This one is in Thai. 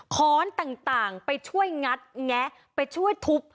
้อนต่างไปช่วยงัดแงะไปช่วยทุบ